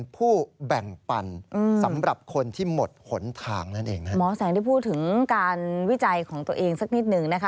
พูดถึงการวิจัยของตัวเองสักนิดหนึ่งนะคะ